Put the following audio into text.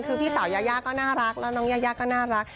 คือพี่สาวยายาก็น่ารักแล้วน้องยายาก็น่ารัก